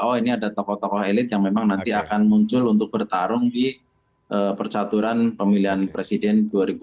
oh ini ada tokoh tokoh elit yang memang nanti akan muncul untuk bertarung di percaturan pemilihan presiden dua ribu dua puluh